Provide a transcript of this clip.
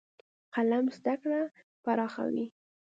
قلم زده کړه پراخوي.